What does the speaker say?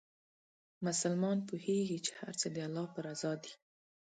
مسلمان پوهېږي چې هر څه د الله په رضا دي.